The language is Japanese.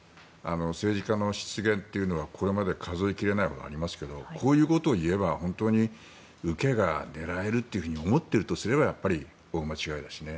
政治家の失言というのはこれまで数え切れないほどありますがこういうことを言えば本当に受けが狙えると思っているとすれば大間違いだしね。